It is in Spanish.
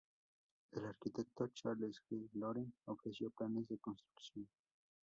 El arquitecto Charles G. Loring ofreció planes de construcción.